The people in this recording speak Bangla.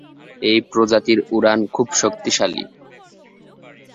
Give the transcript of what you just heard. এই প্রজাতির উড়ান খুব শক্তিশালী।